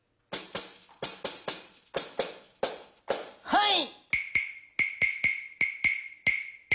はい。